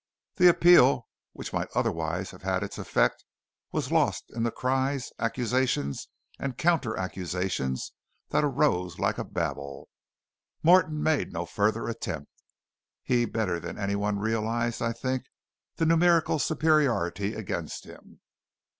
The appeal, which might otherwise have had its effect, was lost in the cries, accusations, and counter accusations that arose like a babel. Morton made no further attempt. He better than any one realized, I think, the numerical superiority against him.